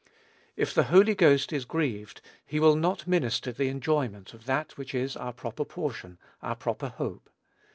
If the Holy Ghost is grieved, he will not minister the enjoyment of that which is our proper portion, our proper hope.